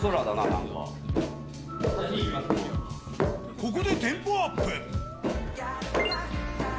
ここでテンポアップ。